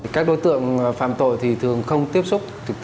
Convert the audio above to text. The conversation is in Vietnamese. các đối tượng phạm tội thường không tiếp xúc